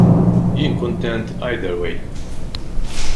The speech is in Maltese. Jien kuntent either way.